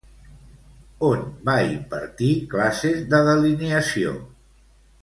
On va impartir classes de delineació?